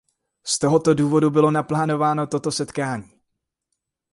Z tohoto důvodu bylo naplánováno toto setkání.